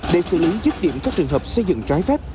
để xử lý dứt điểm các trường hợp xây dựng trái phép